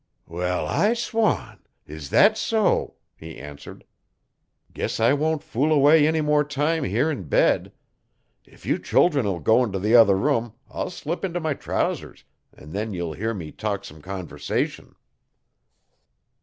'Wall, I swan! is thet so?' he answered. 'Guess I won't fool away any more time here in bed. If you childen'll go in t'other room I'll slip into my trousers an' then ye'll hear me talk some conversation.